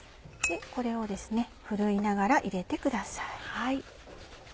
これをふるいながら入れてください。